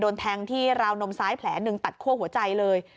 โดนแทงที่ราวนมซ้ายแผลหนึ่งตัดคั่วหัวใจเลย